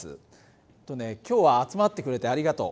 えっとね今日は集まってくれてありがとう。